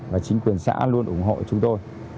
và chính quyền xã luôn ủng hộ chúng tôi